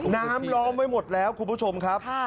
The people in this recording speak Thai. ล้อมไว้หมดแล้วคุณผู้ชมครับ